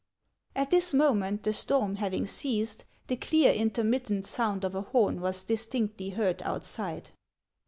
At this moment, the storm having ceased, the clear, intermittent sound of a horn was distinctly heard outside.